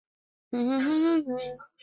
瓦迪斯瓦夫三世。